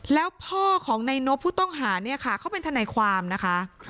แล้วพ่อของในนบผู้ต้องหาเนี่ยค่ะเขาเป็นทนายความนะคะ